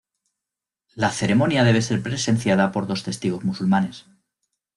La ceremonia debe ser presenciada por dos testigos musulmanes.